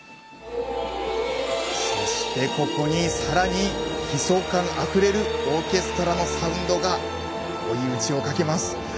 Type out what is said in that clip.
そして、ここにさらに悲壮感あふれるオーケストラのサウンドが追い打ちをかけます。